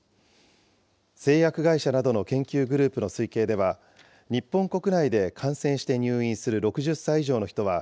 製薬会社などの研究グループの推計では、日本国内で感染して入院する６０歳以上の人は、